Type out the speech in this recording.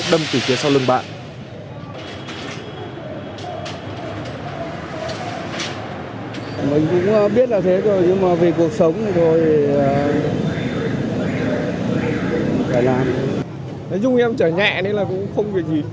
đâm từ phía sau lưng bạn